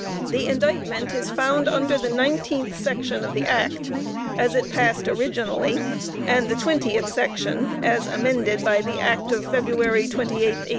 The indictment is found under the 19th section of the Act as it passed originally, and the 20th section as amended by the Act of February 28th, 1871.